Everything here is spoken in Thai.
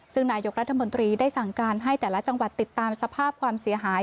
ซึ่งนายกรัฐมนตรีได้สั่งการให้แต่ละจังหวัดติดตามสภาพความเสียหาย